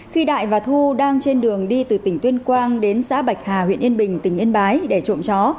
khi đại và thu đang trên đường đi từ tỉnh tuyên quang đến xã bạch hà huyện yên bình tỉnh yên bái để trộm chó